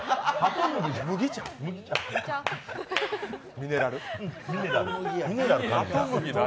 ミネラル。